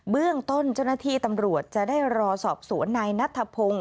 เรื่องต้นเจ้าหน้าที่ตำรวจจะได้รอสอบสวนนายนัทพงศ์